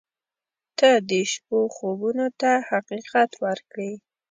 • ته د شپو خوبونو ته حقیقت ورکړې.